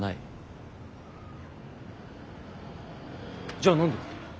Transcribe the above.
じゃあ何で？